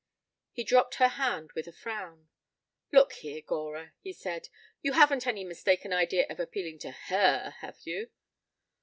He dropped her hand with a frown. "Look here, Gora," he said. "You haven't any mistaken idea of appealing to her, have you?"